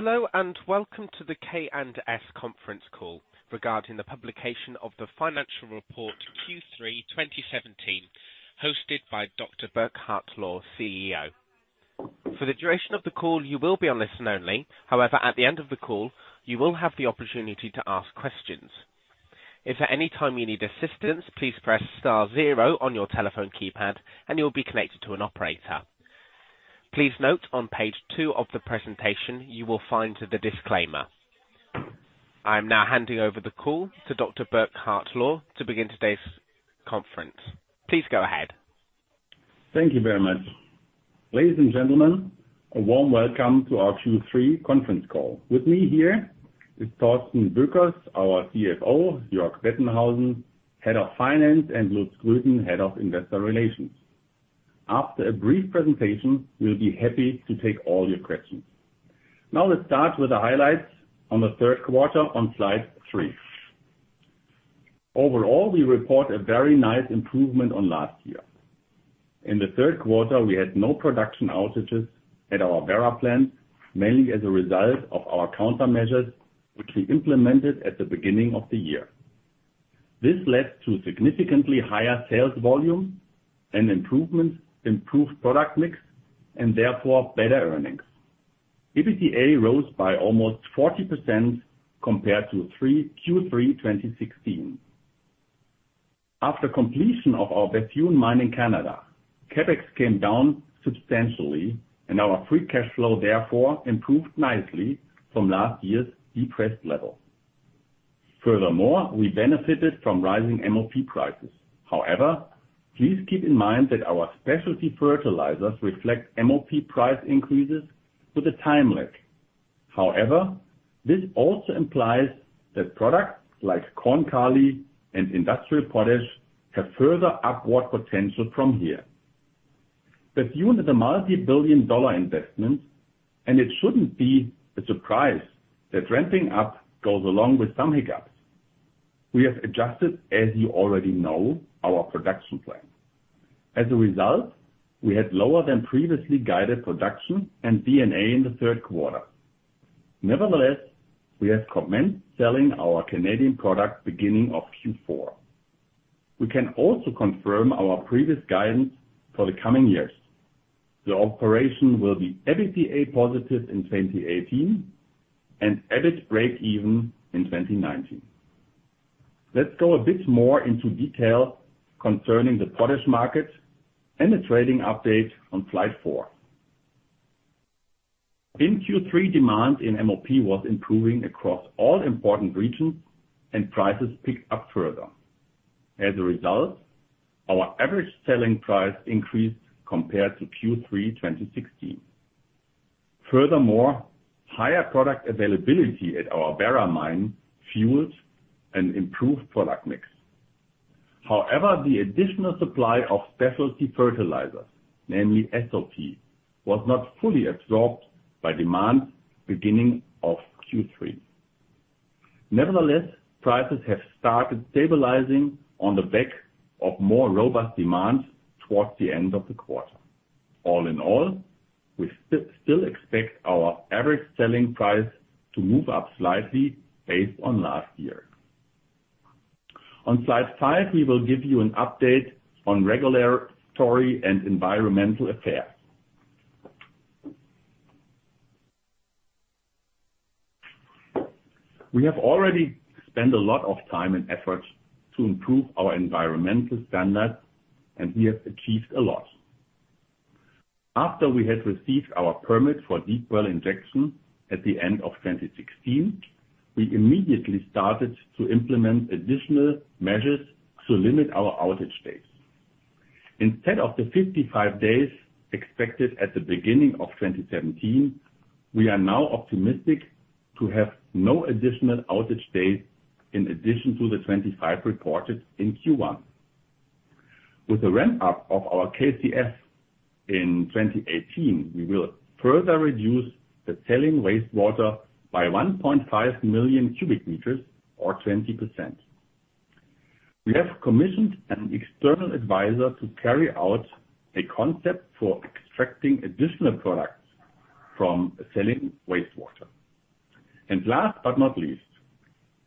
Hello, and welcome to the K+S conference call regarding the publication of the financial report Q3 2017, hosted by Dr. Burkhard Lohr, CEO. For the duration of the call, you will be on listen only. At the end of the call, you will have the opportunity to ask questions. If at any time you need assistance, please press star zero on your telephone keypad, you'll be connected to an operator. Please note on page two of the presentation, you will find the disclaimer. I'm now handing over the call to Dr. Burkhard Lohr to begin today's conference. Please go ahead. Thank you very much. Ladies and gentlemen, a warm welcome to our Q3 conference call. With me here is Thorsten Boeckers, our CFO, Jörg Bettenhausen, Head of Finance, and Lutz Grüten, Head of Investor Relations. After a brief presentation, we'll be happy to take all your questions. Let's start with the highlights on the third quarter on slide three. Overall, we report a very nice improvement on last year. In the third quarter, we had no production outages at our Werra plant, mainly as a result of our countermeasures, which we implemented at the beginning of the year. This led to significantly higher sales volume and improved product mix and therefore better earnings. EBITDA rose by almost 40% compared to Q3 2016. After completion of our Bethune mine in Canada, CapEx came down substantially. Our free cash flow therefore improved nicely from last year's depressed level. We benefited from rising MOP prices. Please keep in mind that our specialty fertilizers reflect MOP price increases with a time lag. This also implies that products like Granular and industrial potash have further upward potential from here. Bethune is a multi-billion dollar investment, it shouldn't be a surprise that ramping up goes along with some hiccups. We have adjusted, as you already know, our production plan. As a result, we had lower than previously guided production and D&A in the third quarter. We have commenced selling our Canadian product beginning of Q4. We can also confirm our previous guidance for the coming years. The operation will be EBITDA positive in 2018 and EBIT breakeven in 2019. Let's go a bit more into detail concerning the potash market and the trading update on slide four. In Q3, demand in MOP was improving across all important regions, prices picked up further. As a result, our average selling price increased compared to Q3 2016. Higher product availability at our Werra mine fueled an improved product mix. The additional supply of specialty fertilizers, namely SOP, was not fully absorbed by demand beginning of Q3. Prices have started stabilizing on the back of more robust demand towards the end of the quarter. We still expect our average selling price to move up slightly based on last year. On slide five, we will give you an update on regulatory and environmental affairs. We have already spent a lot of time and effort to improve our environmental standards, we have achieved a lot. After we had received our permit for deep well injection at the end of 2016, we immediately started to implement additional measures to limit our outage days. Instead of the 55 days expected at the beginning of 2017, we are now optimistic to have no additional outage days in addition to the 25 reported in Q1. With the ramp-up of our KCF in 2018, we will further reduce the selling wastewater by 1.5 million cubic meters or 20%. We have commissioned an external advisor to carry out a concept for extracting additional products from selling wastewater. Last but not least,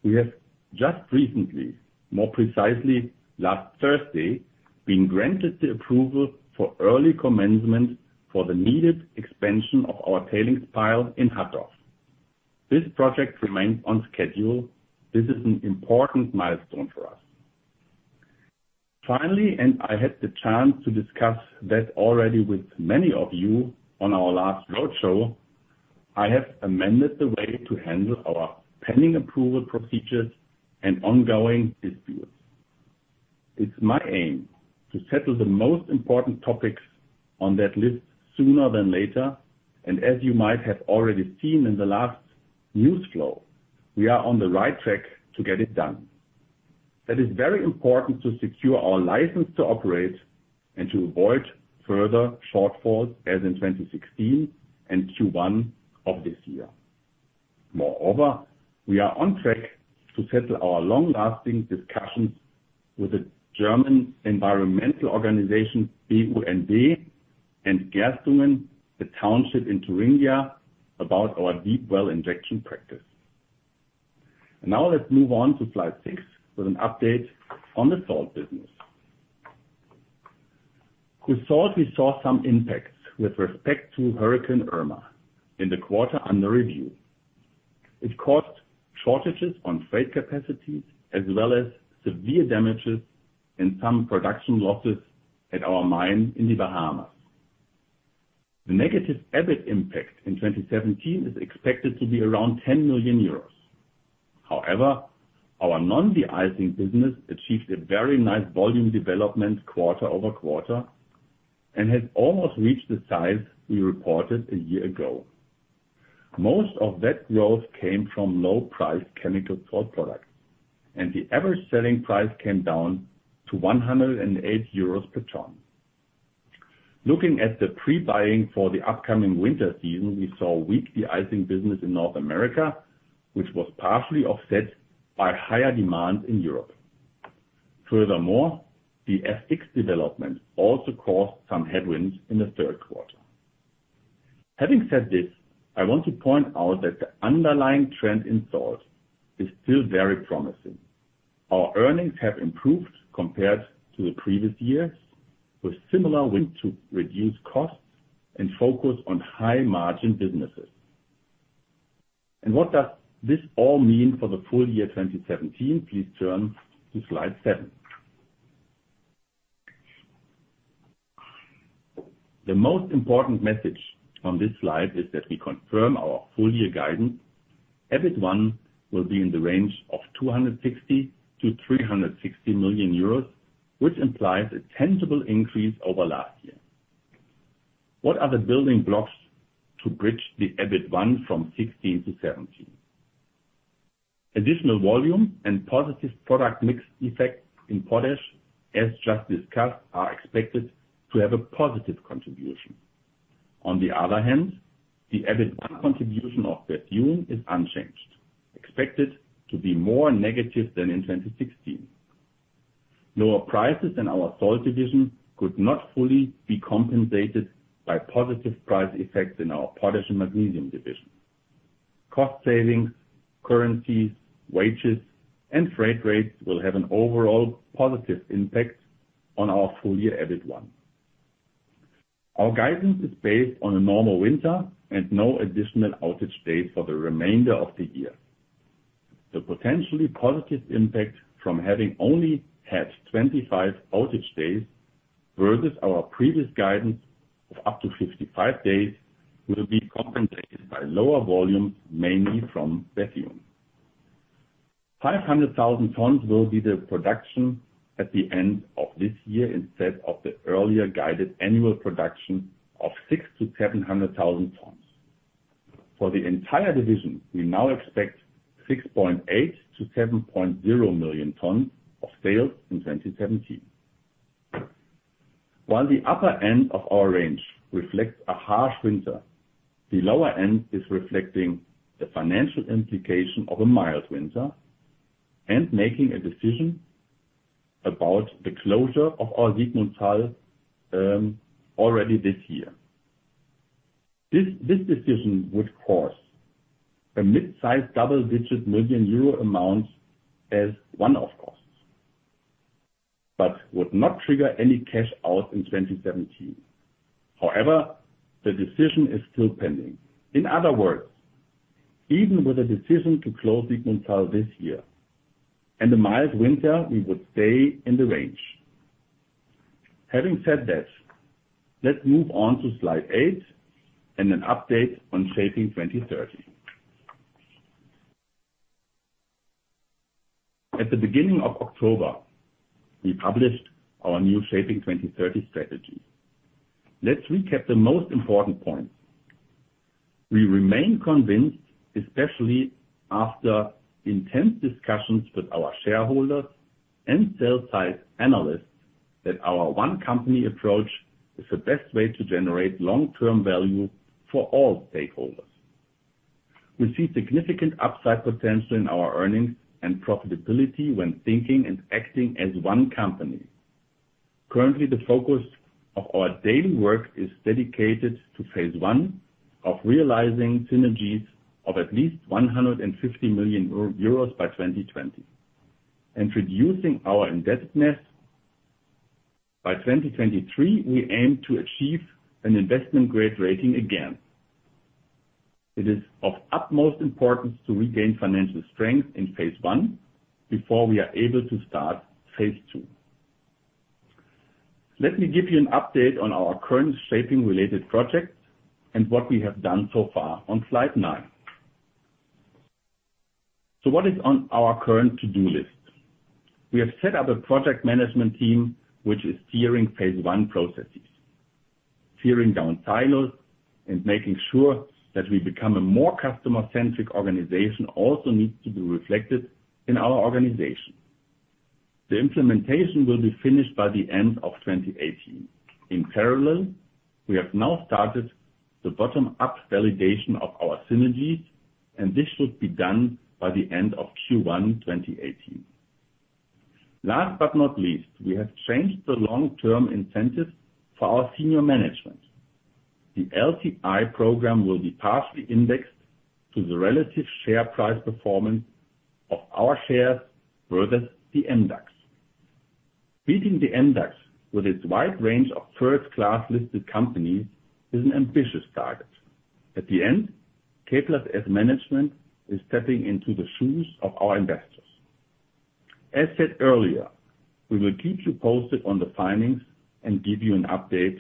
we have just recently, more precisely last Thursday, been granted the approval for early commencement for the needed expansion of our tailings pile in Hattorf. This project remains on schedule. This is an important milestone for us. Finally, I had the chance to discuss that already with many of you on our last road show, I have amended the way to handle our pending approval procedures and ongoing disputes. It's my aim to settle the most important topics on that list sooner than later. As you might have already seen in the last news flow, we are on the right track to get it done. That is very important to secure our license to operate and to avoid further shortfalls as in 2016 and Q1 of this year. Moreover, we are on track to settle our long-lasting discussions with the German environmental organization, BUND, and Gerstungen, the township in Thuringia, about our deep well injection practice. Let's move on to slide six with an update on the salt business. With salt, we saw some impacts with respect to Hurricane Irma in the quarter under review. It caused shortages on freight capacity as well as severe damages and some production losses at our mine in the Bahamas. The negative EBIT impact in 2017 is expected to be around 10 million euros. However, our non-deicing business achieved a very nice volume development quarter-over-quarter and has almost reached the size we reported a year ago. Most of that growth came from low-priced chemical salt products. The average selling price came down to 108 euros per ton. Looking at the pre-buying for the upcoming winter season, we saw weak deicing business in North America, which was partially offset by higher demand in Europe. The FX development also caused some headwinds in the third quarter. Having said this, I want to point out that the underlying trend in salt is still very promising. Our earnings have improved compared to the previous years, with similar wins to reduce costs and focus on high-margin businesses. What does this all mean for the full year 2017? Please turn to slide seven. The most important message on this slide is that we confirm our full-year guidance. EBIT I will be in the range of 260 million-360 million euros, which implies a tangible increase over last year. What are the building blocks to bridge the EBIT I from 2016 to 2017? Additional volume and positive product mix effect in potash, as just discussed, are expected to have a positive contribution. On the other hand, the EBIT I contribution of Bethune is unchanged, expected to be more negative than in 2016. Lower prices in our salt division could not fully be compensated by positive price effects in our Potash and Magnesium Products division. Cost savings, currencies, wages, and freight rates will have an overall positive impact on our full-year EBIT I. Our guidance is based on a normal winter and no additional outage days for the remainder of the year. The potentially positive impact from having only had 25 outage days versus our previous guidance of up to 55 days will be compensated by lower volumes, mainly from Bethune. 500,000 tons will be the production at the end of this year instead of the earlier guided annual production of 600,000-700,000 tons. For the entire division, we now expect 6.8 million-7.0 million tons of sales in 2017. While the upper end of our range reflects a harsh winter, the lower end is reflecting the financial implication of a mild winter and making a decision about the closure of our Siegmundshall already this year. This decision would cause a mid-sized double-digit million EUR amount as one-off costs, but would not trigger any cash out in 2017. The decision is still pending. In other words, even with a decision to close Siegmundshall this year and a mild winter, we would stay in the range. Having said that, let's move on to slide eight and an update on Shaping 2030. At the beginning of October, we published our new Shaping 2030 strategy. Let's recap the most important points. We remain convinced, especially after intense discussions with our shareholders and sell-side analysts, that our one company approach is the best way to generate long-term value for all stakeholders. We see significant upside potential in our earnings and profitability when thinking and acting as one company. Currently, the focus of our daily work is dedicated to phase 1 of realizing synergies of at least 150 million euros by 2020 and reducing our indebtedness. By 2023, we aim to achieve an investment-grade rating again. It is of utmost importance to regain financial strength in phase 1 before we are able to start phase 2. Let me give you an update on our current shaping-related projects and what we have done so far on slide nine. What is on our current to-do list? We have set up a project management team, which is steering phase 1 processes. Steering down silos and making sure that we become a more customer-centric organization also needs to be reflected in our organization. The implementation will be finished by the end of 2018. In parallel, we have now started the bottom-up validation of our synergies, and this should be done by the end of Q1 2018. Last but not least, we have changed the long-term incentives for our senior management. The LTI program will be partially indexed to the relative share price performance of our shares versus the index. Beating the index with its wide range of first-class listed companies is an ambitious target. At the end, K+S management is stepping into the shoes of our investors. As said earlier, we will keep you posted on the findings and give you an update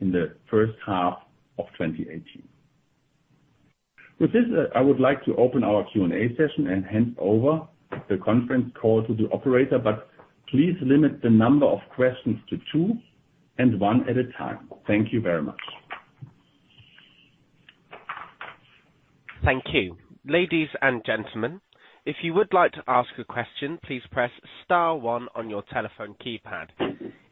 in the first half of 2018. With this, I would like to open our Q&A session and hand over the conference call to the operator, please limit the number of questions to two and one at a time. Thank you very much. Thank you. Ladies and gentlemen, if you would like to ask a question, please press star one on your telephone keypad.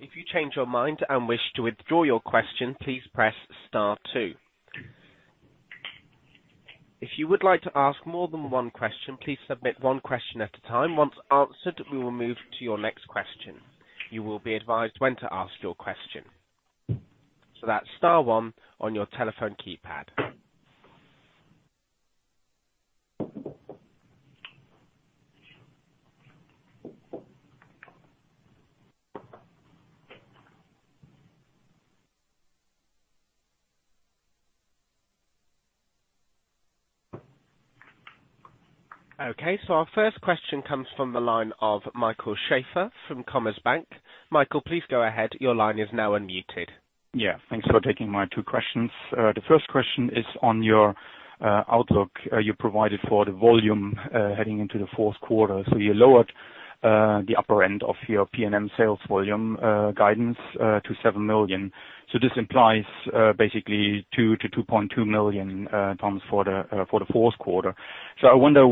If you change your mind and wish to withdraw your question, please press star two. If you would like to ask more than one question, please submit one question at a time. Once answered, we will move to your next question. You will be advised when to ask your question. That's star one on your telephone keypad. Our first question comes from the line of Michael Schaefer from Commerzbank. Michael, please go ahead. Your line is now unmuted. Thanks for taking my two questions. The first question is on your outlook. You provided for the volume, heading into the fourth quarter. You lowered the upper end of your P&M sales volume guidance to seven million. This implies basically two to 2.2 million tons for the fourth quarter. I wonder,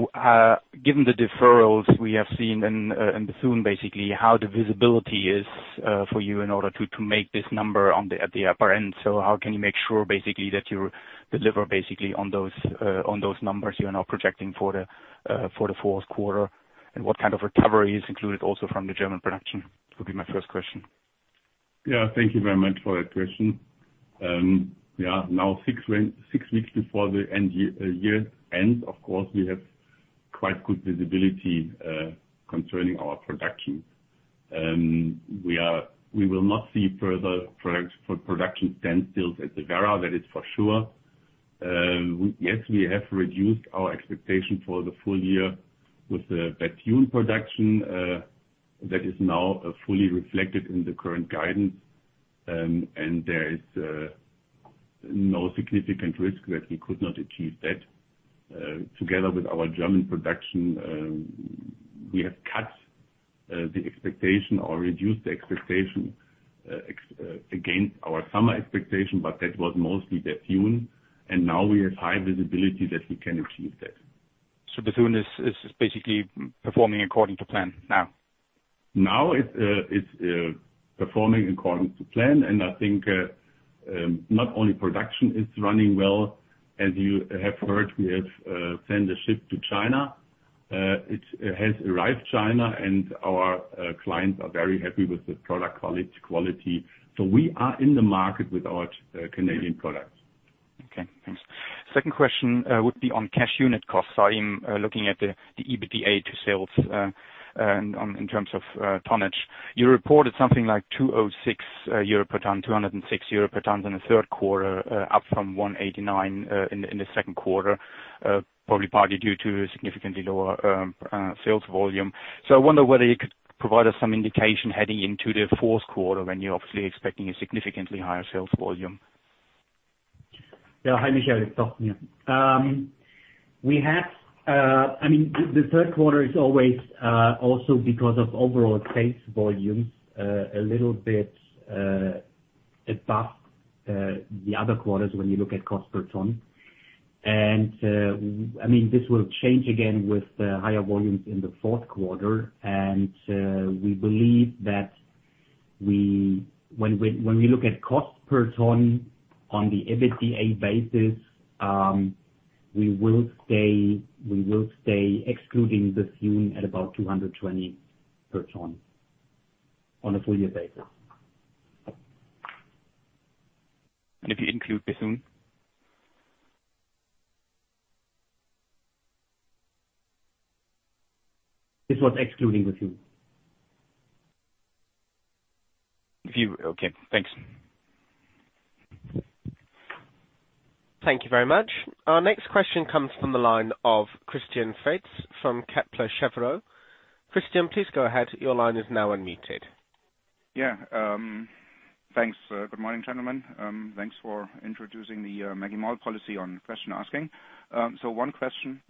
given the deferrals we have seen in Bethune, basically, how the visibility is for you in order to make this number at the upper end. How can you make sure, basically, that you deliver, basically, on those numbers you are now projecting for the fourth quarter? And what kind of recovery is included also from the German production? Would be my first question. Thank you very much for that question. We are now six weeks before the year ends. Of course, we have quite good visibility concerning our production. We will not see further production standstills at the Werra, that is for sure. Yes, we have reduced our expectation for the full year with the Bethune production. That is now fully reflected in the current guidance, and there is no significant risk that we could not achieve that. Together with our German production, we have cut the expectation or reduced the expectation against our summer expectation, but that was mostly Bethune, and now we have high visibility that we can achieve that. Bethune is basically performing according to plan now. Now it's performing according to plan. I think not only production is running well. As you have heard, we have sent a ship to China. It has arrived China. Our clients are very happy with the product quality. We are in the market with our Canadian products. Okay, thanks. Second question would be on cash unit costs. I'm looking at the EBITDA to sales in terms of tonnage. You reported something like 206 euro per ton in the third quarter, up from 189 in the second quarter, probably partly due to a significantly lower sales volume. I wonder whether you could provide us some indication heading into the fourth quarter when you're obviously expecting a significantly higher sales volume. Hi, Michael. It's Thorsten. The third quarter is always also, because of overall case volumes, a little bit above the other quarters when you look at cost per ton. This will change again with the higher volumes in the fourth quarter. We believe that when we look at cost per ton on the EBITDA basis, we will stay excluding Bethune at about 220 per ton on a full year basis. If you include Bethune? This was excluding Bethune. Okay, thanks. Thank you very much. Our next question comes from the line of Christian Faitz from Kepler Cheuvreux. Christian, please go ahead. Your line is now unmuted. Yeah. Thanks. Good morning, gentlemen. Thanks for introducing the Maginot policy on question asking. One question.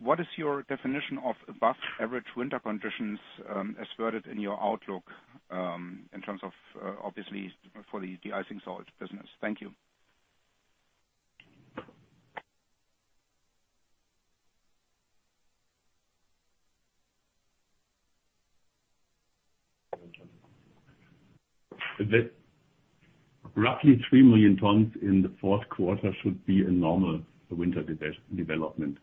What is your definition of above average winter conditions asserted in your outlook, in terms of, obviously, for the deicing salt business? Thank you. The roughly 3 million tons in the fourth quarter should be a normal winter development.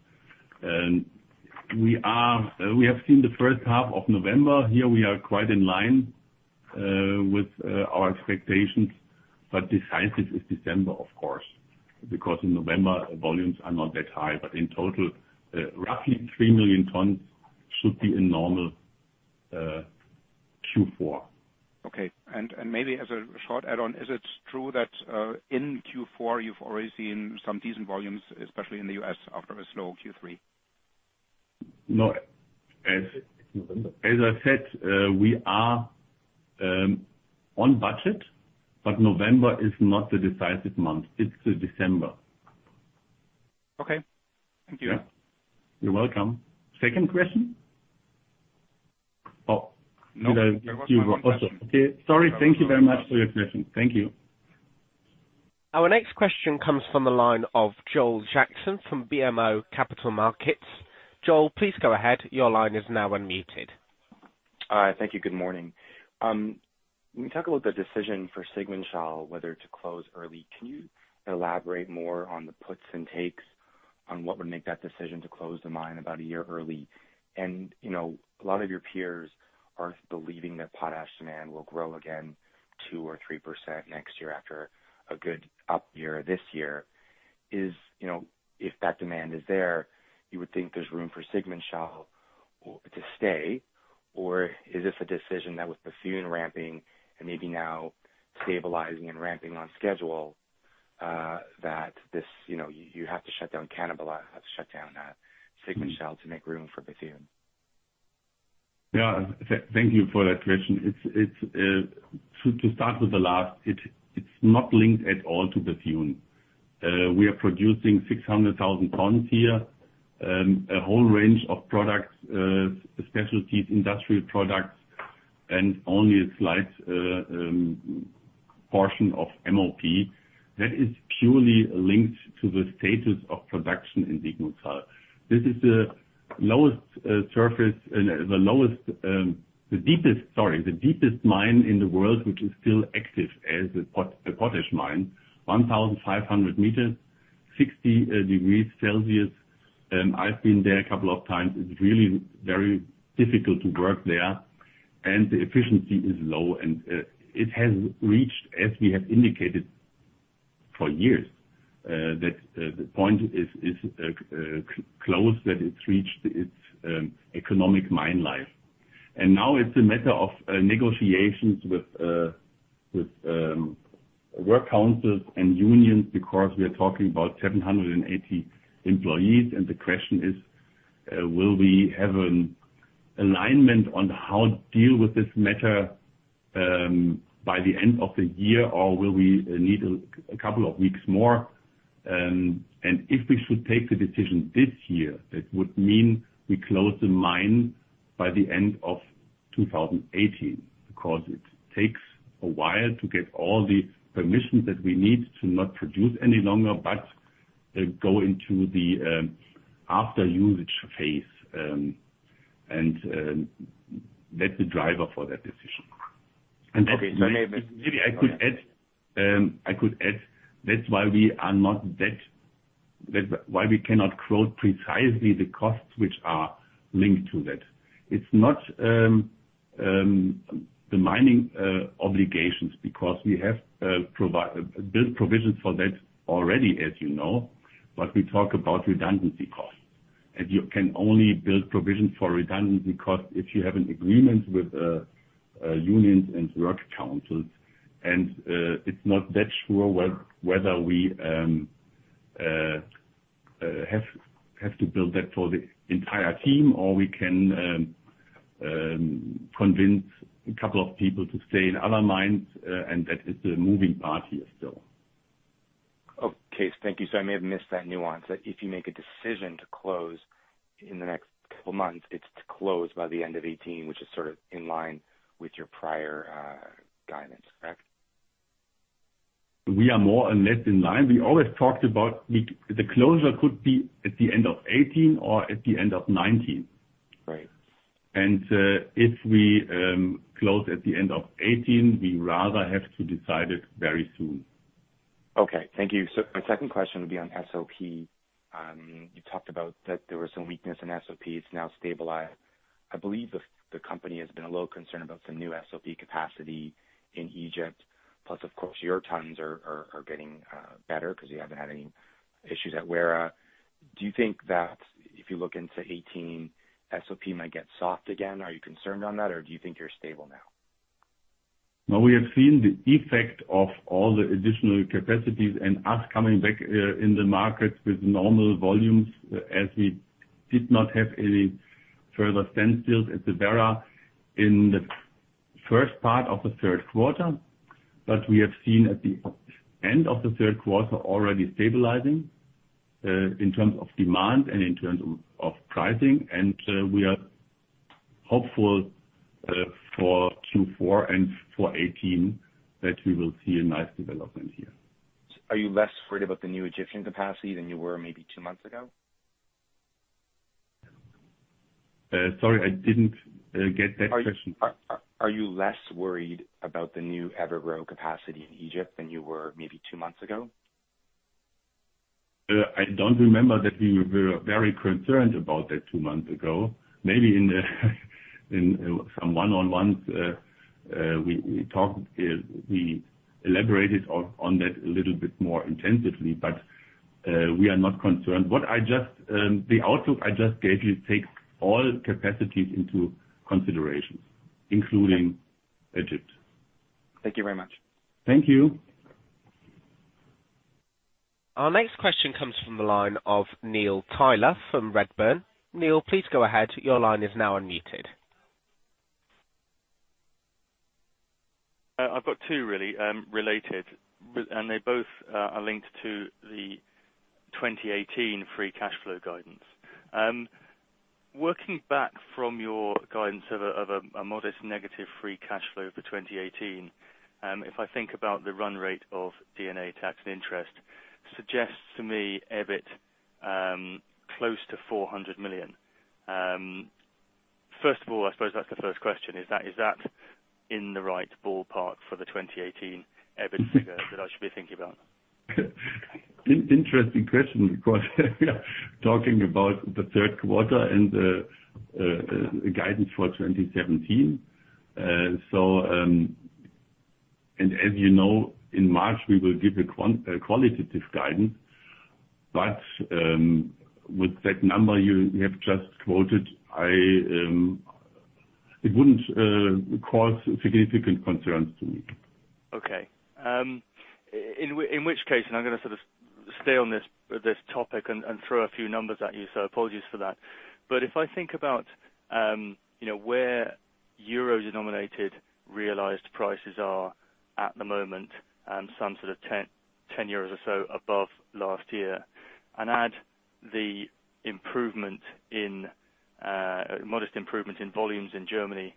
We have seen the first half of November. Here, we are quite in line with our expectations. Decisive is December, of course, because in November, volumes are not that high. In total, roughly 3 million tons should be a normal Q4. Okay. Maybe as a short add-on, is it true that in Q4, you've already seen some decent volumes, especially in the U.S., after a slow Q3? No. As I said, we are on budget. November is not the decisive month. It's the December. Okay. Thank you. You're welcome. Second question? Oh. No. There was one question. Okay. Sorry. Thank you very much for your question. Thank you. Our next question comes from the line of Joel Jackson from BMO Capital Markets. Joel, please go ahead. Your line is now unmuted. Hi. Thank you. Good morning. When you talk about the decision for Siegmundshall, whether to close early, can you elaborate more on the puts and takes on what would make that decision to close the mine about a year early? A lot of your peers are believing that potash demand will grow again two or 3% next year after a good up year this year. If that demand is there, you would think there's room for Siegmundshall to stay, or is this a decision that with Bethune ramping and maybe now stabilizing and ramping on schedule, that you have to shut down Siegmundshall to make room for Bethune? Yeah. Thank you for that question. To start with the last, it's not linked at all to Bethune. We are producing 600,000 tons here, a whole range of products, specialties, industrial products, and only a slight portion of MOP that is purely linked to the status of production in Siegmundshall. This is the deepest mine in the world, which is still active as a potash mine, 1,500 meters, 60 degrees Celsius. I've been there a couple of times. It's really very difficult to work there, and the efficiency is low. It has reached, as we have indicated for years, that the point is close, that it's reached its economic mine life. Now it's a matter of negotiations with work councils and unions because we are talking about 780 employees, and the question is: Will we have an alignment on how to deal with this matter by the end of the year, or will we need a couple of weeks more? If we should take the decision this year, that would mean we close the mine by the end of 2018, because it takes a while to get all the permissions that we need to not produce any longer, but go into the after-usage phase, and that's the driver for that decision. Okay. Maybe I could add, that's why we cannot quote precisely the costs which are linked to that. It's not the mining obligations, because we have built provisions for that already, as you know. We talk about redundancy costs, and you can only build provisions for redundancy costs if you have an agreement with unions and work councils. It's not that sure whether we have to build that for the entire team, or we can convince a couple of people to stay in other mines, and that is the moving part here still. Okay. Thank you. I may have missed that nuance, that if you make a decision to close in the next couple of months, it's to close by the end of 2018, which is sort of in line with your prior guidance, correct? We are more or less in line. We always talked about the closure could be at the end of 2018 or at the end of 2019. Right. If we close at the end of 2018, we rather have to decide it very soon. Okay. Thank you. My second question would be on SOP. You talked about that there was some weakness in SOP. It's now stabilized. I believe the company has been a little concerned about some new SOP capacity in Egypt. Plus, of course, your tons are getting better because you haven't had any issues at Werra. Do you think that if you look into 2018, SOP might get soft again? Are you concerned on that, or do you think you're stable now? No, we have seen the effect of all the additional capacities and us coming back in the market with normal volumes, as we did not have any further standstills at the Werra in the first part of the third quarter. We have seen at the end of the third quarter already stabilizing, in terms of demand and in terms of pricing. We are hopeful for Q4 and for 2018 that we will see a nice development here. Are you less worried about the new Egyptian capacity than you were maybe two months ago? Sorry, I didn't get that question. Are you less worried about the new Evergrow capacity in Egypt than you were maybe two months ago? I don't remember that we were very concerned about that two months ago. Maybe in some one-on-ones we elaborated on that a little bit more intensively. We are not concerned. The outlook I just gave you takes all capacities into consideration, including Egypt. Thank you very much. Thank you. Our next question comes from the line of Neil Tyler from Redburn. Neil, please go ahead. Your line is now unmuted. I've got two really, related. They both are linked to the 2018 free cash flow guidance. Working back from your guidance of a modest negative free cash flow for 2018, if I think about the run rate of D&A tax and interest, suggests to me EBIT close to 400 million. First of all, I suppose that's the first question, is that in the right ballpark for the 2018 EBIT figure that I should be thinking about? Interesting question, because we are talking about the third quarter and the guidance for 2017. As you know, in March we will give a qualitative guidance. With that number you have just quoted, it wouldn't cause significant concerns to me. Okay. In which case, I'm going to sort of stay on this topic and throw a few numbers at you, so apologies for that. If I think about where euro-denominated realized prices are at the moment, some sort of 10 or so above last year, and add the modest improvement in volumes in Germany,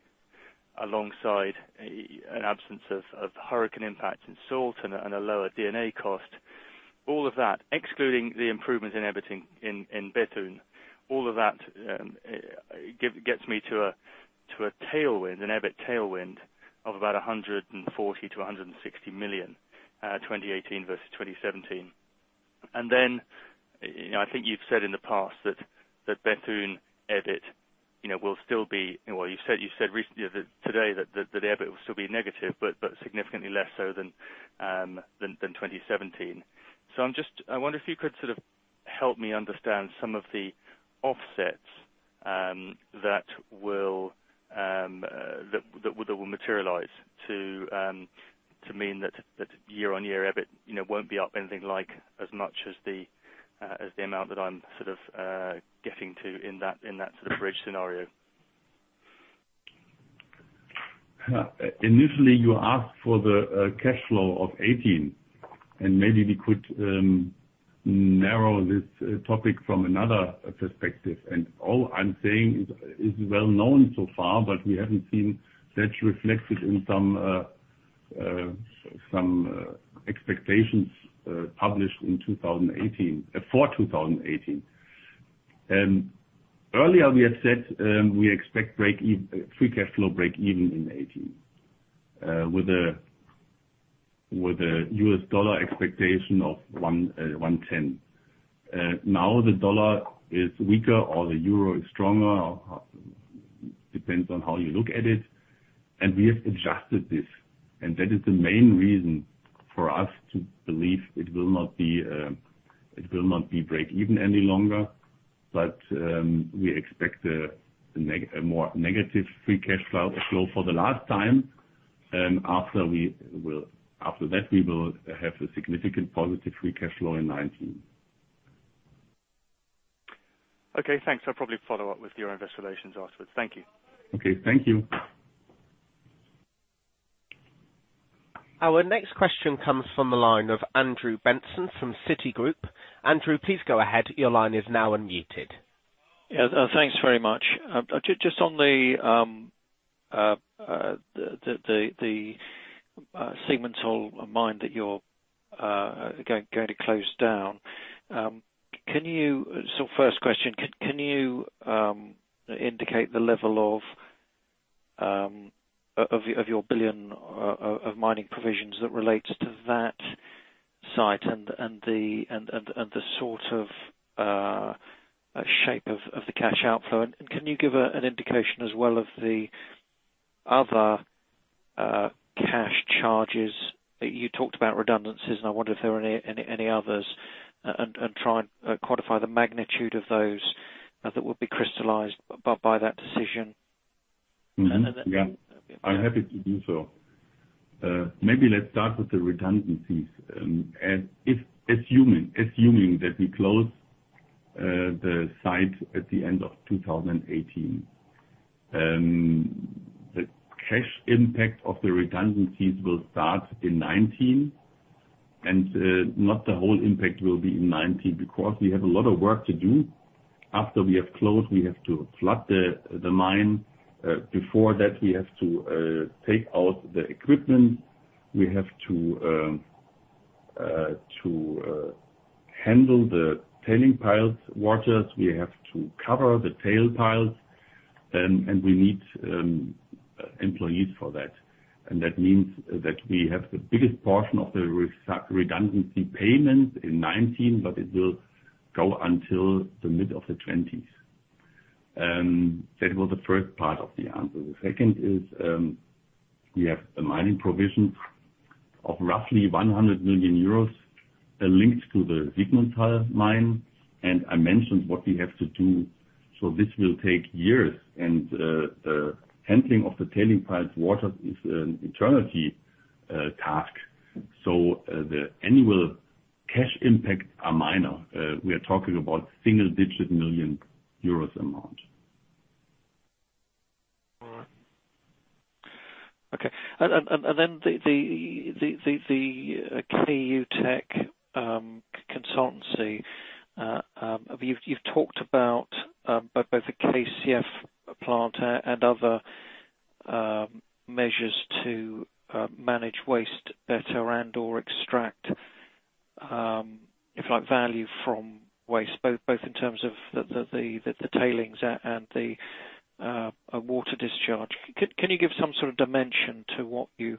alongside an absence of hurricane impact in salt and a lower D&A cost. All of that, excluding the improvements in EBIT in Bethune, all of that gets me to a tailwind, an EBIT tailwind of about 140 million-160 million, 2018 versus 2017. I think you've said in the past that Bethune EBIT will still be Well, you said today that the EBIT will still be negative, but significantly less so than 2017. I wonder if you could sort of help me understand some of the offsets that will materialize to mean that year-on-year EBIT won't be up anything like as much as the amount that I'm getting to in that sort of bridge scenario. Initially, you asked for the cash flow of 2018, and maybe we could narrow this topic from another perspective. All I'm saying is well known so far, but we haven't seen that reflected in some expectations published for 2018. Earlier we had said we expect free cash flow breakeven in 2018 with a US dollar expectation of 110. The dollar is weaker or the euro is stronger, depends on how you look at it, and we have adjusted this. That is the main reason for us to believe it will not be breakeven any longer. We expect a more negative free cash flow for the last time. After that, we will have a significant positive free cash flow in 2019. Okay, thanks. I'll probably follow up with your Investor Relations afterwards. Thank you. Okay, thank you. Our next question comes from the line of Andrew Benson from Citigroup. Andrew, please go ahead. Your line is now unmuted. Yeah, thanks very much. Just on the Siegmundshall mine that you're going to close down. First question, can you indicate the level of your billion of mining provisions that relates to that site and the sort of shape of the cash outflow? Can you give an indication as well of the other cash charges? You talked about redundancies, and I wonder if there are any others, and try and quantify the magnitude of those that would be crystallized by that decision. I'm happy to do so. Maybe let's start with the redundancies. Assuming that we close the site at the end of 2018, the cash impact of the redundancies will start in 2019. Not the whole impact will be in 2019 because we have a lot of work to do. After we have closed, we have to flood the mine. Before that, we have to take out the equipment. We have to handle the tailing piles waters. We have to cover the tail piles, and we need employees for that. That means that we have the biggest portion of the redundancy payment in 2019, but it will go until the mid of the 2020s. That was the first part of the answer. The second is, we have a mining provision of roughly 100 million euros linked to the Siegmundshall mine, and I mentioned what we have to do. This will take years, and the handling of the tailing piles water is an eternity task. The annual cash impact are minor. We are talking about single-digit million EUR amount. All right. Okay. Then the K-UTEC consultancy, you've talked about both the KCF plant and other measures to manage waste better and/or extract value from waste, both in terms of the tailings and the water discharge. Can you give some sort of dimension to what you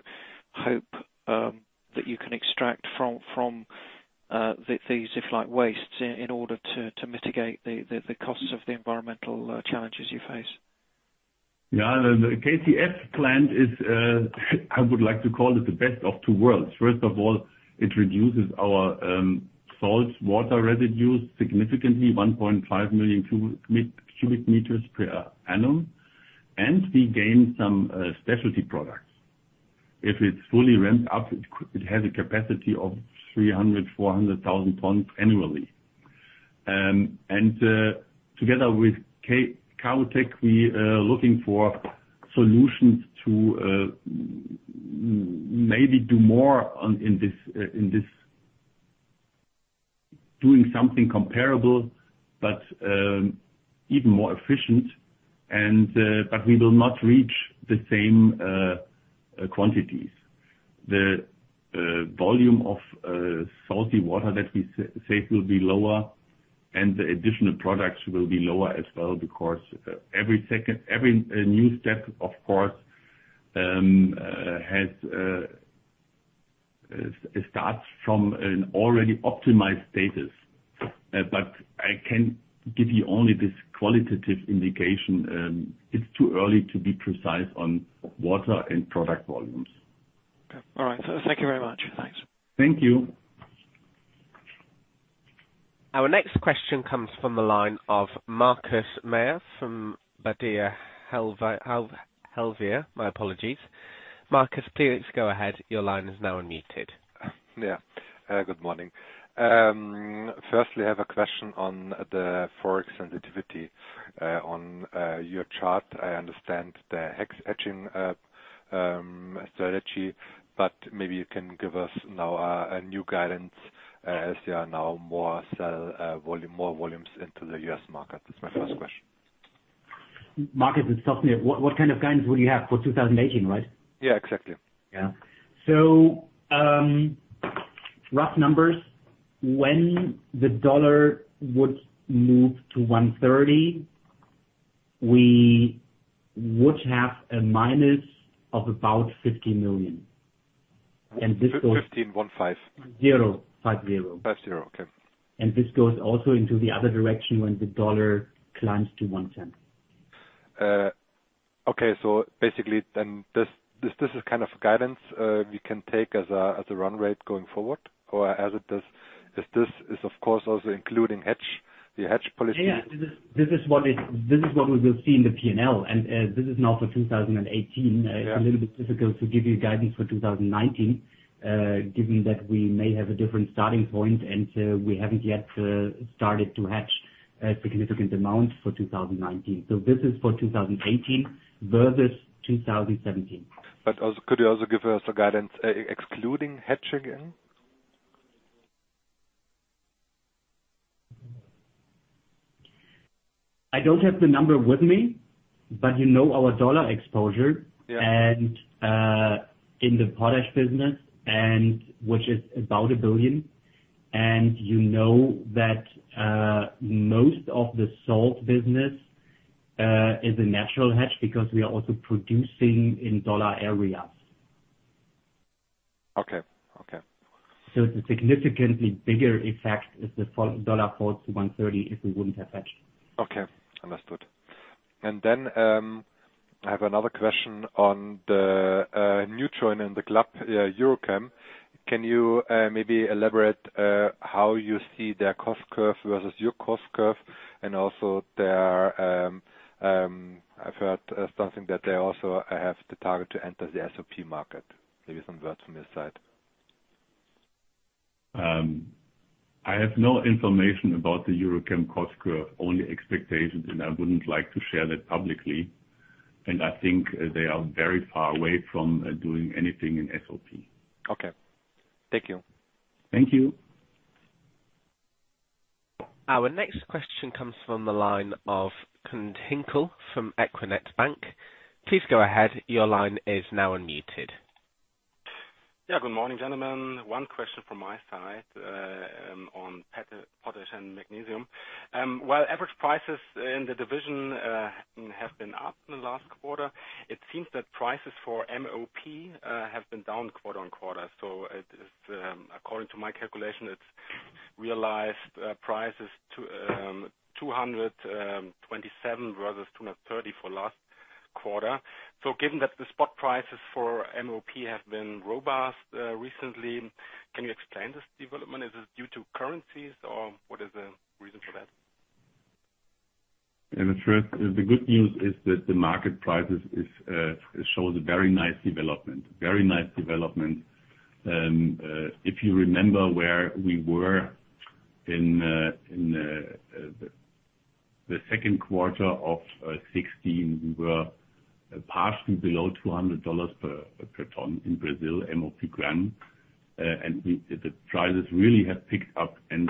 hope that you can extract from these wastes in order to mitigate the costs of the environmental challenges you face? Yeah. The KCF plant is, I would like to call it the best of two worlds. First of all, it reduces our salt water residues significantly, 1.5 million cubic meters per annum, and we gain some specialty products. If it's fully ramped up, it has a capacity of 300,000-400,000 tons annually. Together with K-UTEC, we are looking for solutions to maybe do more in this, doing something comparable, but even more efficient. We will not reach the same quantities. The volume of salty water that we save will be lower, and the additional products will be lower as well because every new step, of course, starts from an already optimized status. I can give you only this qualitative indication. It's too early to be precise on water and product volumes. Okay. All right, sir. Thank you very much. Thanks. Thank you. Our next question comes from the line of Markus Mayer from Baader Helvea. My apologies. Markus, please go ahead. Your line is now unmuted. Good morning. I have a question on the Forex sensitivity. On your chart, I understand the hedging strategy, but maybe you can give us now a new guidance as there are now more volumes into the U.S. market. That's my first question. Markus, it's Thorsten. What kind of guidance would you have for 2018, right? Exactly. Rough numbers, when the U.S. dollar would move to 130, we would have a minus of about 50 million. 15? One, five? Zero. Five, zero. Five, zero. Okay. This goes also into the other direction when the US dollar climbs to 110. Basically, this is kind of a guidance we can take as a run rate going forward? Or is this, of course, also including the hedge policy? This is what we will see in the P&L, and this is now for 2018. Yeah. It's a little bit difficult to give you guidance for 2019, given that we may have a different starting point, and we haven't yet started to hedge a significant amount for 2019. This is for 2018 versus 2017. Could you also give us a guidance, excluding hedging in? I don't have the number with me, you know our dollar exposure. Yeah In the potash business, which is about $1 billion, you know that most of the salt business is a natural hedge because we are also producing in dollar areas. Okay. It's a significantly bigger effect if the dollar falls to 130, if we wouldn't have hedged. Okay. Understood. Then I have another question on the new joiner in the club, EuroChem. Can you maybe elaborate how you see their cost curve versus your cost curve and also I've heard something that they also have the target to enter the SOP market. Maybe some words from your side. I have no information about the EuroChem cost curve, only expectations. I wouldn't like to share that publicly. I think they are very far away from doing anything in SOP. Okay. Thank you. Thank you. Our next question comes from the line of Knud Hinkel from Equinet Bank. Please go ahead. Your line is now unmuted. Good morning, gentlemen. One question from my side on potash and magnesium. While average prices in the division have been up in the last quarter, it seems that prices for MOP have been down quarter on quarter. According to my calculation, its realized price is $227 versus $230 for last quarter. Given that the spot prices for MOP have been robust recently, can you explain this development? Is it due to currencies, or what is the reason for that? The good news is that the market price shows a very nice development. Very nice development. If you remember where we were in the second quarter of 2016, we were partially below $200 per ton in Brazil, MOP granular. The prices really have picked up and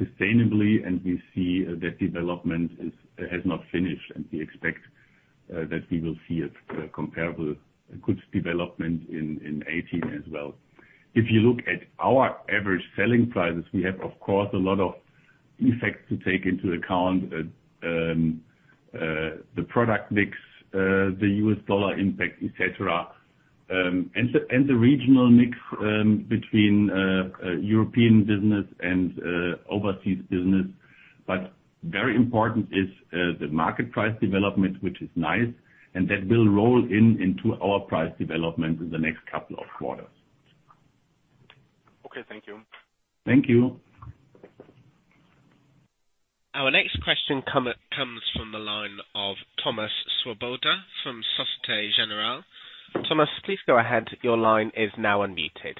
sustainably, and we see that development has not finished, and we expect that we will see a comparable good development in 2018 as well. If you look at our average selling prices, we have, of course, a lot of effects to take into account. The product mix, the U.S. dollar impact, et cetera, and the regional mix between European business and overseas business. Very important is the market price development, which is nice, and that will roll into our price development in the next couple of quarters. Thank you. Thank you. Our next question comes from the line of Thomas Swoboda from Societe Generale. Thomas, please go ahead. Your line is now unmuted.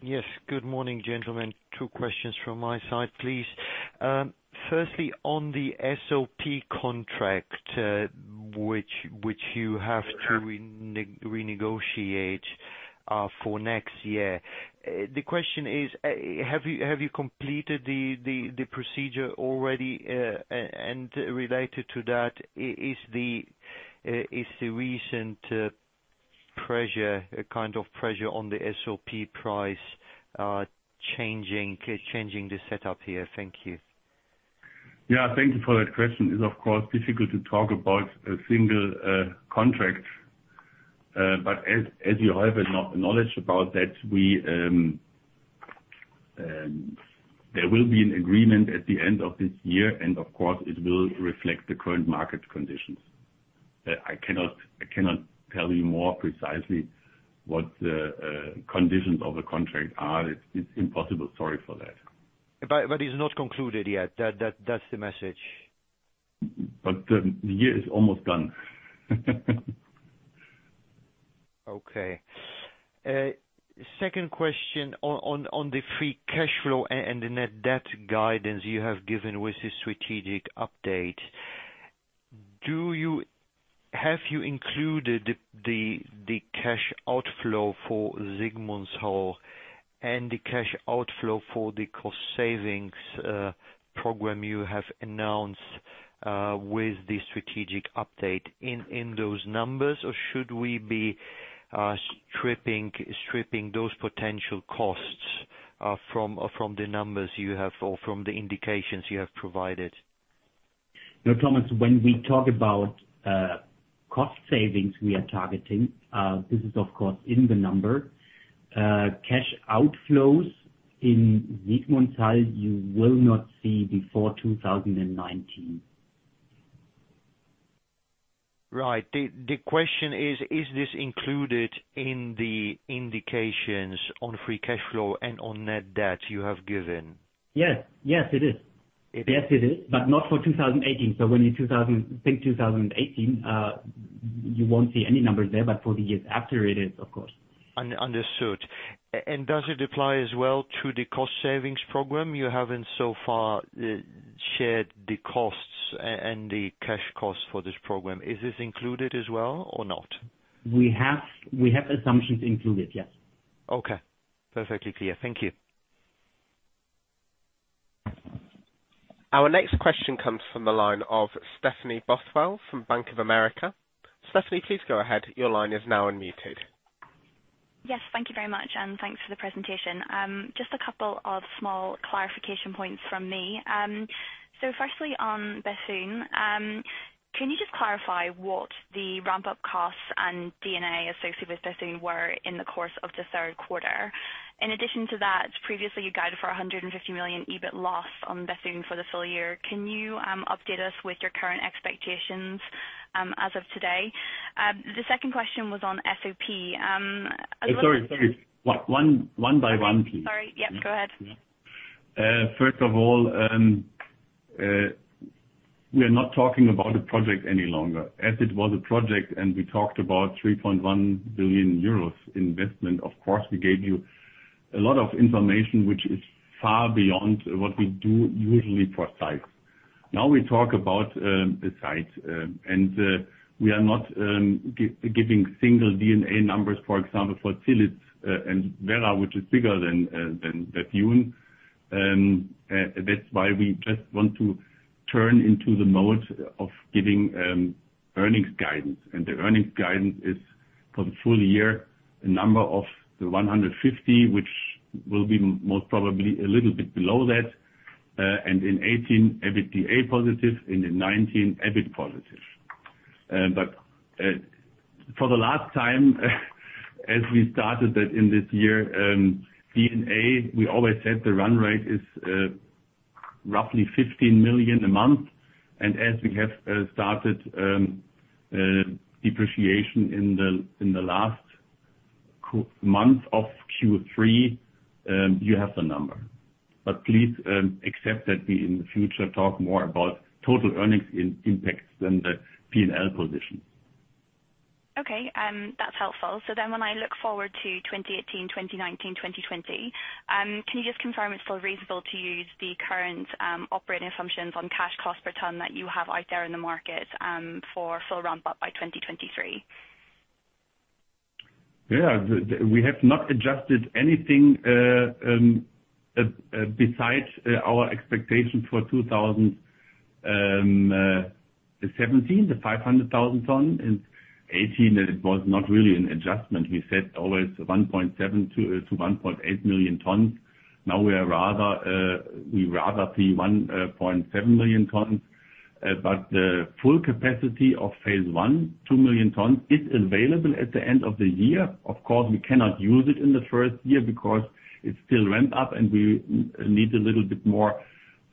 Yes. Good morning, gentlemen. Two questions from my side, please. Firstly, on the SOP contract, which you have to renegotiate for next year. The question is, have you completed the procedure already? Related to that, is the recent pressure on the SOP price changing the setup here? Thank you. Yeah. Thank you for that question. It's, of course, difficult to talk about a single contract. As you have knowledge about that, there will be an agreement at the end of this year. Of course, it will reflect the current market conditions. I cannot tell you more precisely what the conditions of the contract are. It's impossible. Sorry for that. It's not concluded yet. That's the message. The year is almost done. Second question on the free cash flow and the net debt guidance you have given with the strategic update. Have you included the cash outflow for Siegmundshall and the cash outflow for the cost savings program you have announced with the strategic update in those numbers, or should we be stripping those potential costs from the numbers you have or from the indications you have provided? Thomas, when we talk about cost savings we are targeting, this is of course in the number. Cash outflows in Siegmundshall, you will not see before 2019. The question is this included in the indications on free cash flow and on net debt you have given? Yes. Yes, it is. Yes, it is, but not for 2018. When you think 2018, you won't see any numbers there, but for the years after it is, of course. Understood. Does it apply as well to the cost savings program? You haven't so far shared the costs and the cash costs for this program. Is this included as well or not? We have assumptions included, yes. Okay. Perfectly clear. Thank you. Our next question comes from the line of Stephanie Bothwell from Bank of America. Stephanie, please go ahead. Your line is now unmuted. Yes. Thank you very much, and thanks for the presentation. Just a couple of small clarification points from me. Firstly, on Bethune, can you just clarify what the ramp-up costs and D&A associated with Bethune were in the course of the third quarter? In addition to that, previously you guided for 150 million EBIT loss on Bethune for the full year. Can you update us with your current expectations as of today? The second question was on SOP. Sorry. One by one, please. Sorry. Yep, go ahead. We are not talking about a project any longer. As it was a project and we talked about 3.1 billion euros investment, of course, we gave you a lot of information, which is far beyond what we do usually for sites. Now we talk about the sites, and we are not giving single D&A numbers, for example, for Zielitz and Werra, which is bigger than Bethune. That's why we just want to turn into the mode of giving earnings guidance. The earnings guidance is for the full year, a number of the 150, which will be most probably a little bit below that. In 2018, EBITDA positive, and in 2019, EBIT positive. For the last time, as we started that in this year, D&A, we always said the run rate is roughly 15 million a month. As we have started depreciation in the last month of Q3, you have the number. Please accept that we, in the future, talk more about total earnings impacts than the P&L position. That's helpful. When I look forward to 2018, 2019, 2020, can you just confirm it's still reasonable to use the current operating assumptions on cash cost per ton that you have out there in the market for full ramp-up by 2023? We have not adjusted anything besides our expectation for 2017, the 500,000 ton. In 2018, it was not really an adjustment. We said always 1.7 million-1.8 million tons. Now we rather see 1.7 million tons. The full capacity of phase 1, 2 million tons, is available at the end of the year. Of course, we cannot use it in the first year because it's still ramp-up, and we need a little bit more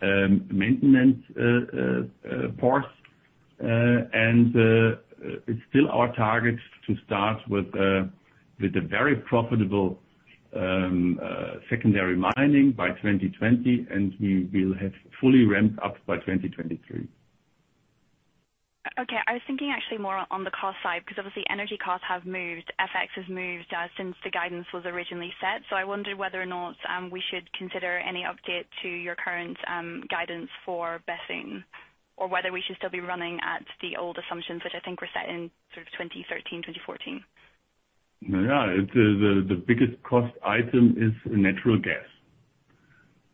maintenance force. It's still our target to start with the very profitable secondary mining by 2020, and we will have fully ramped up by 2023. I was thinking actually more on the cost side, because obviously energy costs have moved, FX has moved since the guidance was originally set. I wondered whether or not we should consider any update to your current guidance for Bethune, or whether we should still be running at the old assumptions that I think were set in 2013, 2014. Yeah. The biggest cost item is natural gas.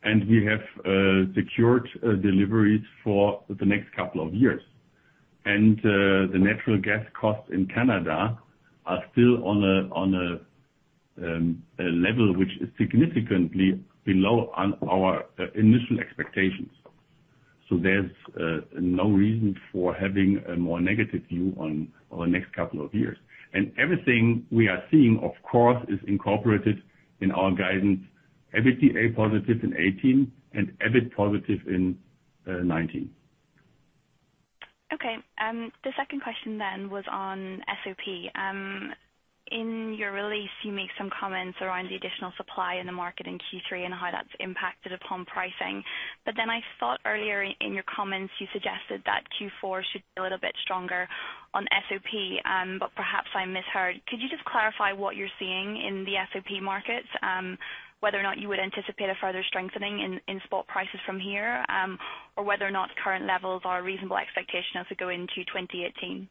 We have secured deliveries for the next couple of years. The natural gas costs in Canada are still on a level which is significantly below our initial expectations. There's no reason for having a more negative view on the next couple of years. Everything we are seeing, of course, is incorporated in our guidance. EBITDA positive in 2018 and EBIT positive in 2019. Okay. The second question was on SOP. In your release, you make some comments around the additional supply in the market in Q3 and how that's impacted upon pricing. I thought earlier in your comments, you suggested that Q4 should be a little bit stronger on SOP, but perhaps I misheard. Could you just clarify what you're seeing in the SOP markets? Whether or not you would anticipate a further strengthening in spot prices from here, or whether or not current levels are a reasonable expectation as we go into 2018.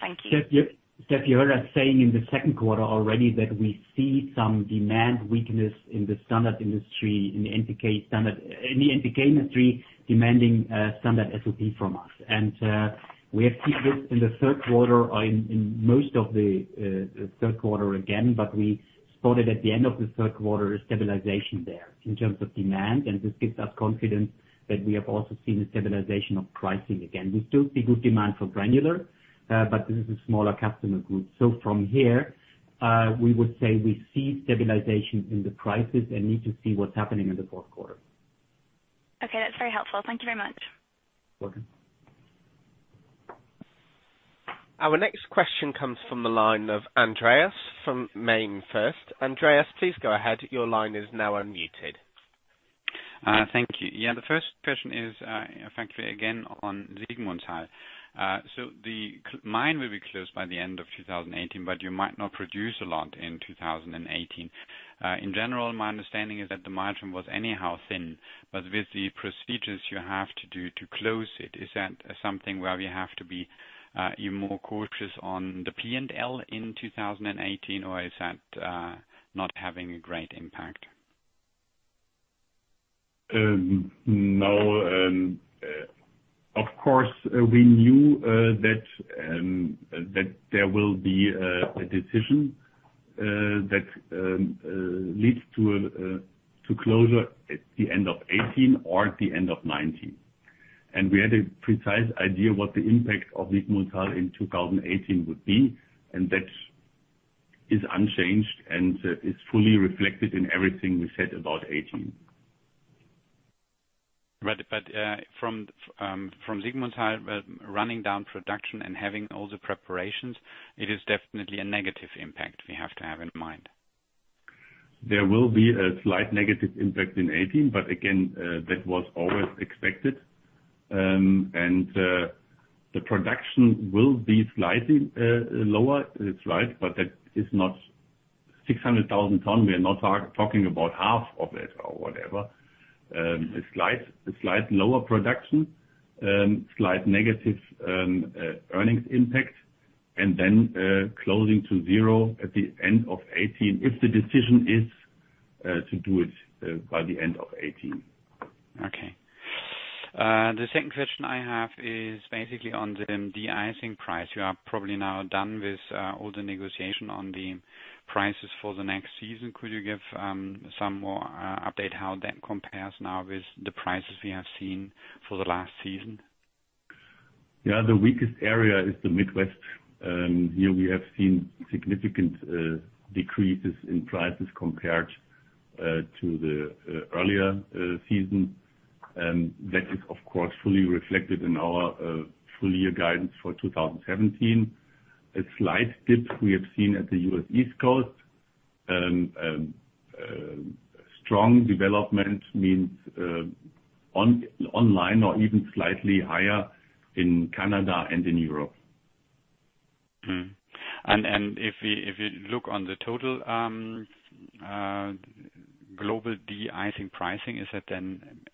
Thank you. Steph, you heard us saying in the second quarter already that we see some demand weakness in the standard industry, in the NPK industry, demanding standard SOP from us. We have seen this in the third quarter or in most of the third quarter again, we spotted at the end of the third quarter a stabilization there in terms of demand, this gives us confidence that we have also seen a stabilization of pricing again. We still see good demand for Granular, this is a smaller customer group. From here, we would say we see stabilization in the prices and need to see what's happening in the fourth quarter. Okay, that's very helpful. Thank you very much. Welcome. Our next question comes from the line of Andreas from MainFirst. Andreas, please go ahead. Your line is now unmuted. Thank you. The first question is frankly, again, on Siegmundshall. The mine will be closed by the end of 2018, but you might not produce a lot in 2018. In general, my understanding is that the margin was anyhow thin, but with the procedures you have to do to close it, is that something where we have to be even more cautious on the P&L in 2018, or is that not having a great impact? No. Of course, we knew that there will be a decision that leads to closure at the end of 2018 or at the end of 2019. We had a precise idea what the impact of Siegmundshall in 2018 would be, and that is unchanged and is fully reflected in everything we said about 2018. Right. From Siegmundshall running down production and having all the preparations, it is definitely a negative impact we have to have in mind. There will be a slight negative impact in 2018, but again, that was always expected. The production will be slightly lower. That is not 600,000 tons. We are not talking about half of it or whatever. A slight lower production, slight negative earnings impact, and then closing to zero at the end of 2018, if the decision is to do it by the end of 2018. Okay. The second question I have is basically on the de-icing price. You are probably now done with all the negotiation on the prices for the next season. Could you give some more update how that compares now with the prices we have seen for the last season? Yeah. The weakest area is the Midwest. Here we have seen significant decreases in prices compared to the earlier season. That is, of course, fully reflected in our full year guidance for 2017. A slight dip we have seen at the U.S. East Coast. Strong development means online or even slightly higher in Canada and in Europe. If you look on the total global de-icing pricing,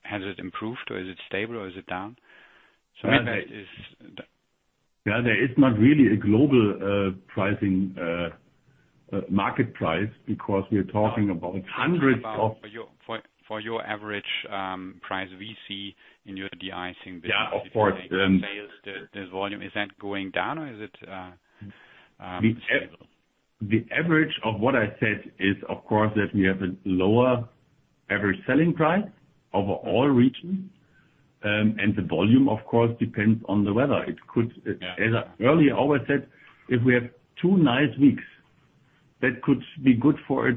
has it improved or is it stable or is it down? Yeah, there is not really a global pricing, market price because we're talking about hundreds. For your average price we see in your de-icing business. Yeah, of course Sales, the volume, is that going down or is it stable? The average of what I said is, of course, that we have a lower average selling price over all regions. The volume, of course, depends on the weather. As I earlier always said, if we have two nice weeks, that could be good for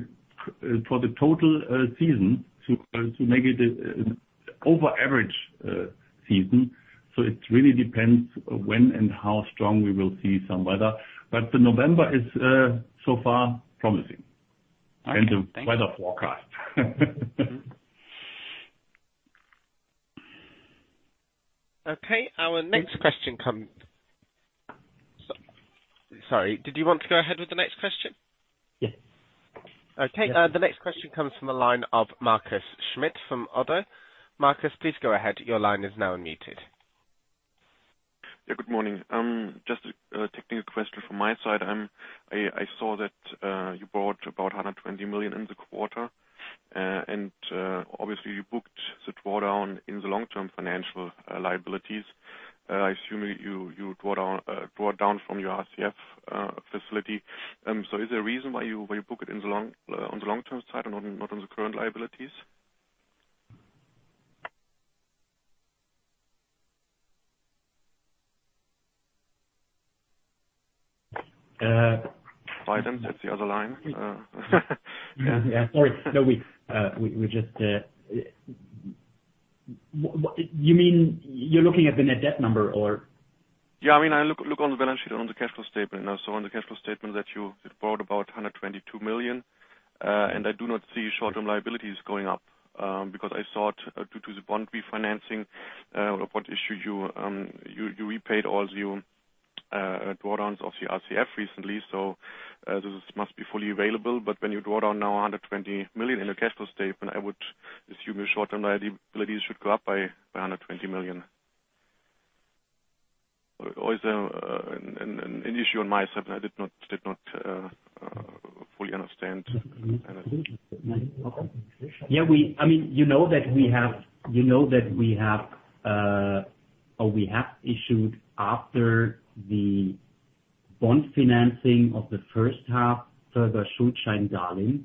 the total season, to make it over average season. It really depends when and how strong we will see some weather. The November is so far promising. Okay. Thank you In the weather forecast. Okay, our next question. Sorry, did you want to go ahead with the next question? Yes. Okay. The next question comes from the line of Markus Schmitt from Oddo. Markus, please go ahead. Your line is now unmuted. Yeah, good morning. Just a technical question from my side. I saw that you brought about 120 million in the quarter. Obviously you booked the drawdown in the long-term financial liabilities. I assume you draw down from your RCF facility. Is there a reason why you book it on the long-term side and not on the current liabilities? Uh- Sorry, that's the other line. Yeah. Sorry. No, we just You mean you're looking at the net debt number or? I do not see short-term liabilities going up, because I thought due to the bond refinancing, or what issue you repaid all your drawdowns of your RCF recently. This must be fully available. When you draw down now 120 million in the cash flow statement, I would assume your short-term liabilities should go up by 120 million. Is there an issue on my side that I did not fully understand? Yeah. You know that we have issued after the bond financing of the first half, further Schuldscheindarlehen,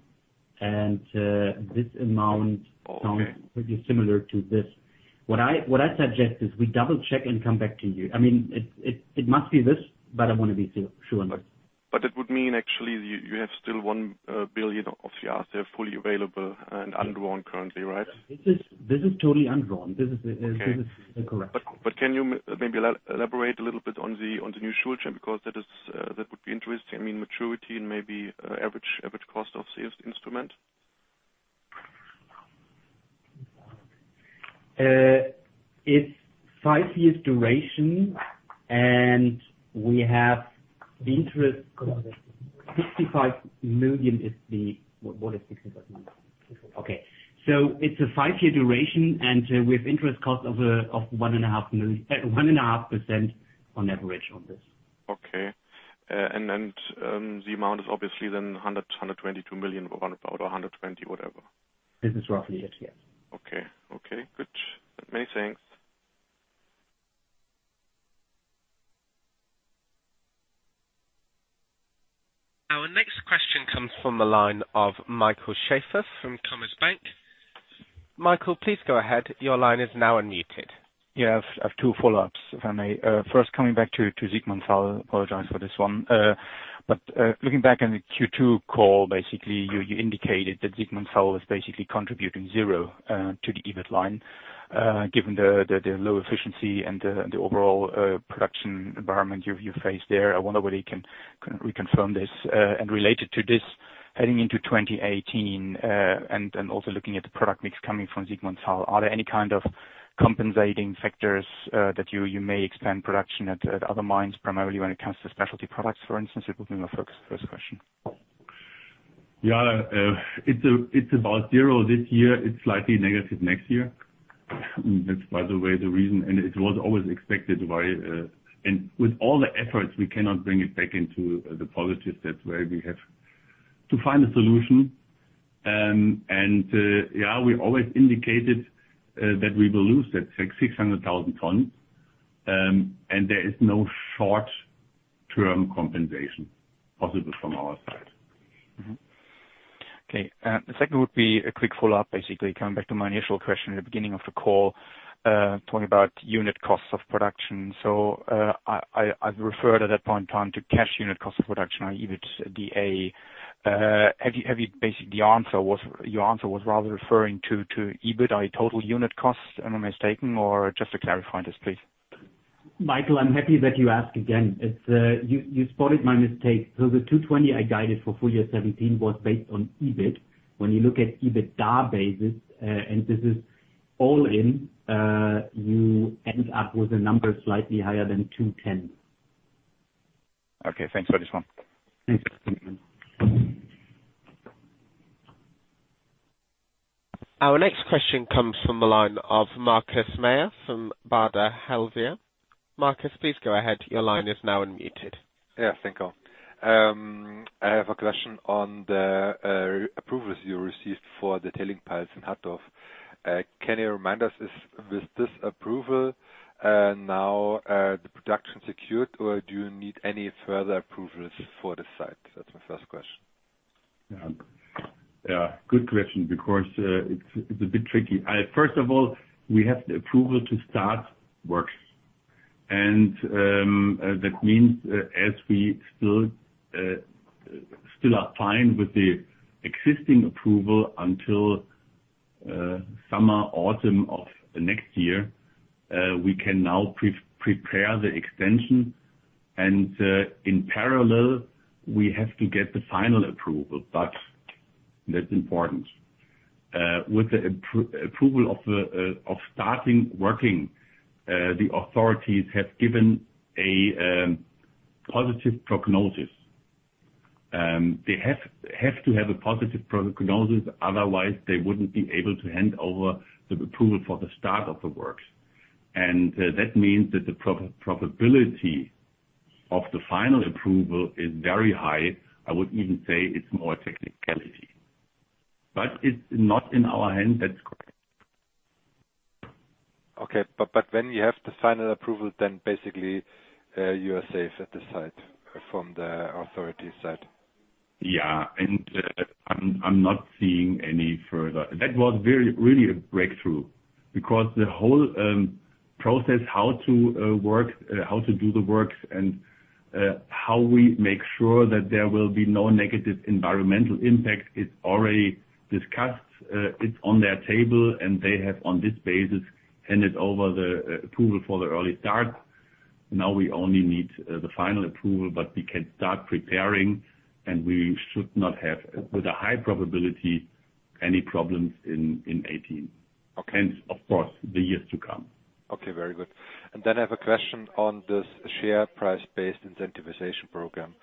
this amount- Okay Sounds pretty similar to this. What I suggest is we double-check and come back to you. It must be this, but I want to be sure. It would mean actually you have still 1 billion of your assets fully available and undrawn currently, right? This is totally undrawn. Okay Correct. Can you maybe elaborate a little bit on the new Schuldschein, because that would be interesting. I mean, maturity and maybe average cost of sales instrument. It's five years duration. We have interest 65 million is the What is EUR 65 million? Okay. It's a five-year duration, with interest cost of 1.5% on average on this. Okay. The amount is obviously then 122 million, around about 120, whatever. This is roughly it, yes. Okay. Good. Many thanks. Our next question comes from the line of Michael Schaefer from Commerzbank. Michael, please go ahead. Your line is now unmuted. I have two follow-ups, if I may. First, coming back to Siegmundshall. Apologize for this one. Looking back on the Q2 call, basically, you indicated that Siegmundshall was basically contributing zero to the EBIT line. Given the low efficiency and the overall production environment you face there, I wonder whether you can We confirm this. Related to this, heading into 2018, also looking at the product mix coming from Siegmundshall, are there any kind of compensating factors that you may expand production at other mines, primarily when it comes to specialty products, for instance? It would be my first question. It's about zero this year. It's slightly negative next year. That's, by the way, the reason. It was always expected. With all the efforts, we cannot bring it back into the positive. That's where we have to find a solution. We always indicated that we will lose that 600,000 tons. There is no short-term compensation possible from our side. Mm-hmm. Okay. The second would be a quick follow-up, basically, coming back to my initial question at the beginning of the call, talking about unit costs of production. I've referred at that point in time to cash unit cost of production or EBITDA. Your answer was rather referring to EBIT total unit costs, am I mistaken? Just to clarify this, please. Michael, I'm happy that you asked again. You spotted my mistake. The 220 I guided for full year 2017 was based on EBIT. When you look at EBITDA basis, and this is all in, you end up with a number slightly higher than 210. Okay, thanks for this one. Thanks. Our next question comes from the line of Markus Mayer from Baader Helvea. Markus, please go ahead. Your line is now unmuted. Yeah, thank you. I have a question on the approvals you received for the tailing piles in Hattorf. Can you remind us, with this approval now the production secured, or do you need any further approvals for this site? That's my first question. Yeah. Good question, because it's a bit tricky. First of all, we have the approval to start work. That means as we still are fine with the existing approval until summer, autumn of next year, we can now prepare the extension, and in parallel, we have to get the final approval, but that's important. With the approval of starting working, the authorities have given a positive prognosis. They have to have a positive prognosis, otherwise they wouldn't be able to hand over the approval for the start of the work. That means that the probability of the final approval is very high. I would even say it's more technicality. It's not in our hands, that's correct. Okay, but when you have the final approval, then basically you are safe at the site from the authorities' side? Yeah. That was really a breakthrough, because the whole process, how to do the works, and how we make sure that there will be no negative environmental impact is already discussed. It's on their table, and they have, on this basis, handed over the approval for the early start. Now we only need the final approval, but we can start preparing, and we should not have, with a high probability, any problems in 2018. Okay. Of course, the years to come. Very good. I have a question on this share price-based incentivization program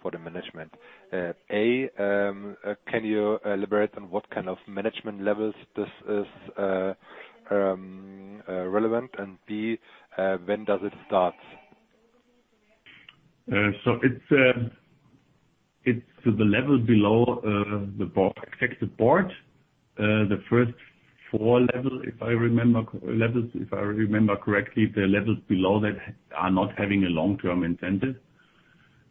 for the management. A, can you elaborate on what kind of management levels this is relevant? B, when does it start? It's the level below the executive board. The first four levels, if I remember correctly, the levels below that are not having a long-term incentive.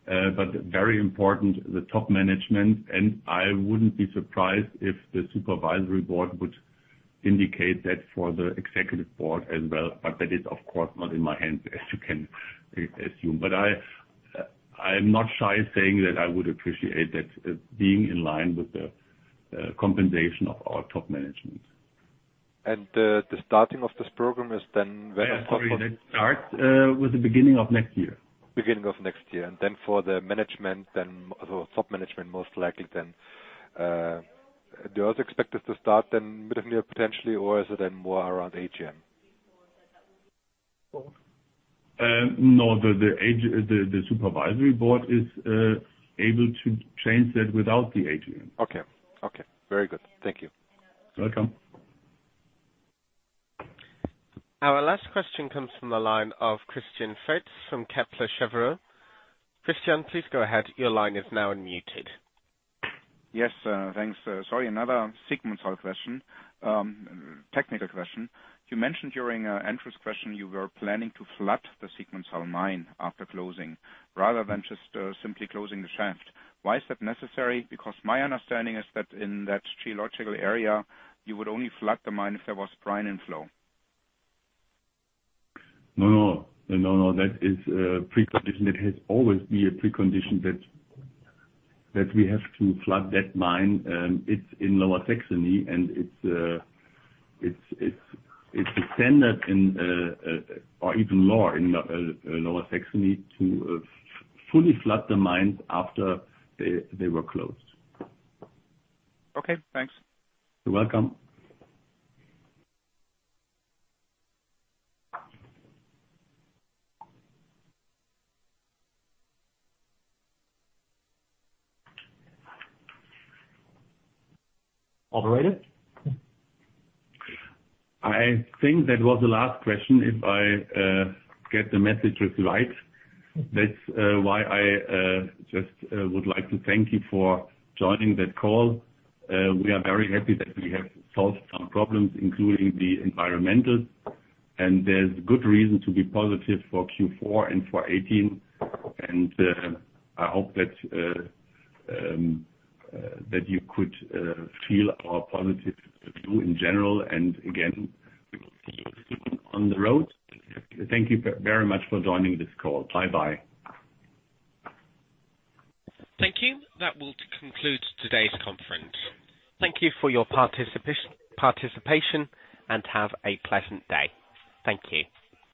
Very important, the top management, and I wouldn't be surprised if the supervisory board would indicate that for the executive board as well, but that is, of course, not in my hands, as you can assume. I am not shy saying that I would appreciate that being in line with the compensation of our top management. The starting of this program is then- Sorry, that starts with the beginning of next year. Beginning of next year. For the management, top management, most likely then, do you also expect this to start then mid of year, potentially? Or is it then more around AGM? No, the supervisory board is able to change that without the AGM. Okay. Very good. Thank you. Welcome. Our last question comes from the line of Christian Faitz from Kepler Cheuvreux. Christian, please go ahead. Your line is now unmuted. Yes, thanks. Sorry, another Siegmundshall question, technical question. You mentioned during our entrance question you were planning to flood the Siegmundshall mine after closing, rather than just simply closing the shaft. Why is that necessary? My understanding is that in that geological area, you would only flood the mine if there was brine inflow. No. That is a precondition. It has always been a precondition that we have to flood that mine. It's in Lower Saxony, and it's a standard, or even law in Lower Saxony to fully flood the mines after they were closed. Okay, thanks. You're welcome. Operator? I think that was the last question, if I get the messages right. I just would like to thank you for joining the call. We are very happy that we have solved some problems, including the environmental, and there's good reason to be positive for Q4 and for 2018. I hope that you could feel our positive view in general. Again, we will see you on the road. Thank you very much for joining this call. Bye-bye. Thank you. That will conclude today's conference. Thank you for your participation, and have a pleasant day. Thank you.